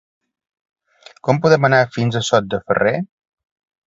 Com podem anar fins a Sot de Ferrer?